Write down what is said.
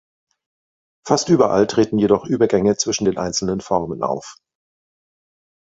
Fast überall treten jedoch Übergänge zwischen den einzelnen Formen auf.